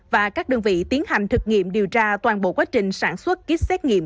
và các đơn vị tiến hành thực nghiệm điều tra toàn bộ quá trình sản xuất kýt xét nghiệm